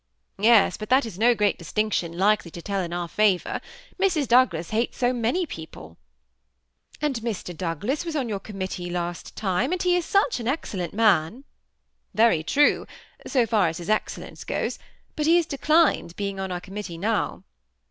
*^ Yes ; but that is no great distinction likely to tell in our favor. Mrs. Douglas hates so many people." "And Mr. Douglas wtfs on your committee last time ; and he is such an excellent man." " Very true, so far as his excellence goes ; but he has declined being on our committee now."